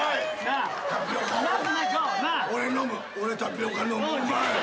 俺タピオカ飲む。